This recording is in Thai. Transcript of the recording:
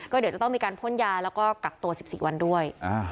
เดี๋ยวจะต้องมีการพ่นยาแล้วก็กักตัว๑๔วันด้วย